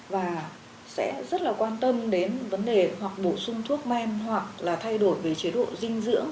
và sẽ rất là quan tâm đến vấn đề hoặc bổ sung thuốc men hoặc là thay đổi về chế độ dinh dưỡng